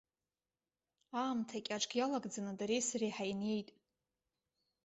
Аамҭа кьаҿк иалагӡаны дареи сареи ҳаиниеит.